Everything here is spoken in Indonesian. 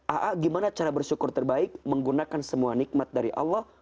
aa gimana cara bersyukur terbaik menggunakan semua nikmat dari allah